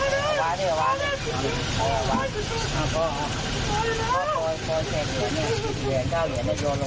เฮ้ยอย่าว่าจะเกิดเกิดอย่าว่าจะเกิดเกิด